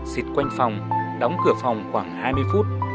xịt quanh phòng đóng cửa phòng khoảng hai mươi phút